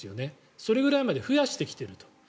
それぐらいまで増やしてきていると。